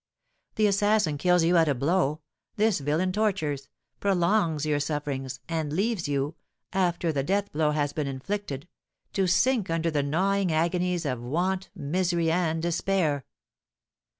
The assassin kills you at a blow, this villain tortures, prolongs your sufferings, and leaves you, after the death blow has been inflicted, to sink under the gnawing agonies of want, misery, and despair.